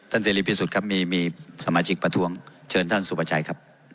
ท่านเจรีย์พิสุทธิ์ครับมีมีสมาชิกประท้วงเชิญท่านสุประชัยครับ